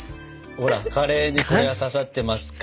ほらカレーにこれは刺さってますか？